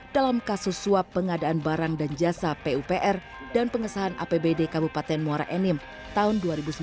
dalam kasus suap pengadaan barang dan jasa pupr dan pengesahan apbd kabupaten muara enim tahun dua ribu sembilan belas